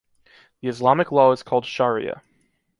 The Islamic law is called Shariah.